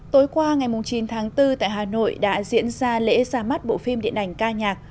tối qua ngày chín tháng bốn tại hà nội đã diễn ra lễ ra mắt bộ phim điện ảnh ca nhạc